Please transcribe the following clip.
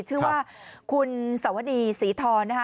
ชื่อว่าคุณสวดีศรีทร